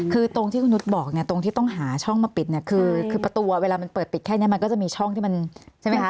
คือตรงที่คุณนุษย์บอกเนี่ยตรงที่ต้องหาช่องมาปิดเนี่ยคือประตูเวลามันเปิดปิดแค่นี้มันก็จะมีช่องที่มันใช่ไหมคะ